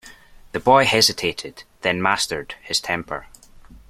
The boy hesitated, then mastered his temper.